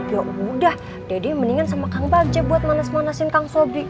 yaudah dede mendingan sama kang bagja buat manas manasin kang sobri